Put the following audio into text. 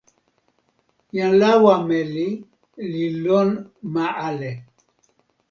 jan lawa meli li lon ma ale!